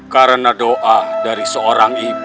karena doa dari seorang ibu